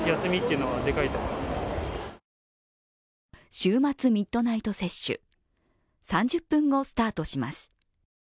週末ミッドナイト接種、３０分後スタートします。